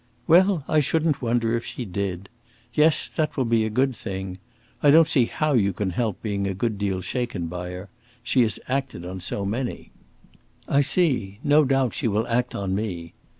"Well, I shouldn't wonder if she did! Yes, that will be a good thing. I don't see how you can help being a good deal shaken by her. She has acted on so many." "I see: no doubt she will act on me."